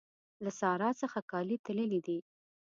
له سارا څخه کالي تللي دي.